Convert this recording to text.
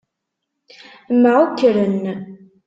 Mεukkren.